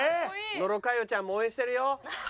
野呂佳代ちゃんも応援してるよ。